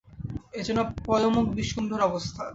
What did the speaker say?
এ যেন পয়োমুখ বিষকুম্ভের অবস্থা।